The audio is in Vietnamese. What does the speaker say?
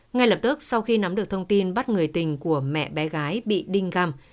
ngay lập tức sau khi nắm được thông tin bắt người tình của mẹ bé gái bị đinh găm